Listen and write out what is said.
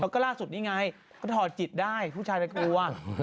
แล้วก็ล่าสุดนี่ไงก็ถอดจิตได้ผู้ชายไปกลัว